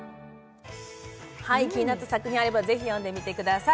気になった作品があればぜひ読んでみてください。